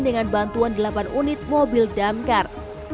dengan bantuan delapan unit mobil damkar